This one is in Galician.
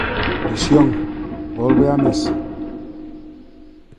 Visión, volve á mesa.